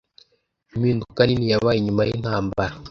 Impinduka nini yabaye nyuma yintambara.